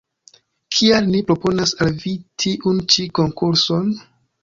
Kial ni proponas al vi tiun ĉi konkurson?